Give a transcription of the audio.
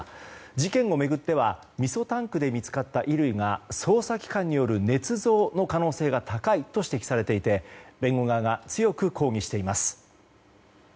事件を巡ってはみそタンクで見つかった衣類が捜査機関によるねつ造の可能性が高いと指摘されていて弁護側が強く抗議しています。